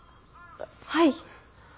はい。